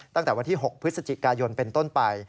ตั้งแต่วันที่๖พฤศจิกายนเป็นต้นไป